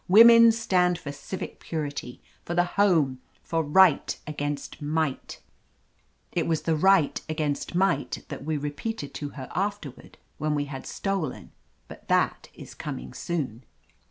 Women stand for civic purity, for the home, for right against might 1" It was the "right against might" that we 268 OF LETITIA CARBERRY repeated to her afterward, when we had stolen — ^but that is coming soon.